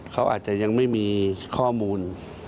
เขาอาจจะยังไม่มีข้อมูล